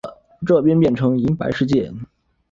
这边变成银白世界